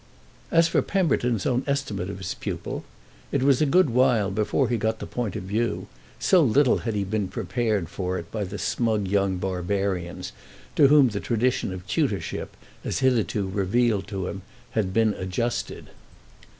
As for Pemberton's own estimate of his pupil, it was a good while before he got the point of view, so little had he been prepared for it by the smug young barbarians to whom the tradition of tutorship, as hitherto revealed to him, had been adjusted.